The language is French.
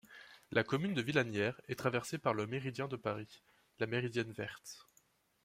La commune de Villanière est traversée par le méridien de Paris, la Méridienne verte.